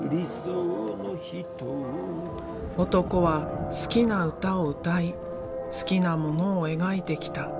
男は好きな歌を歌い好きなものを描いてきた。